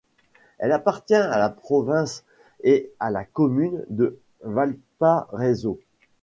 Elle appartient à la province et à la commune de Valparaíso.